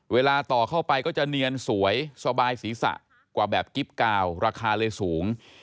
เวลาต่อเข้าไปก็จะเนียนสวยสบายศีรษะกว่าแบบกิ๊บกาวราคาเลยสูง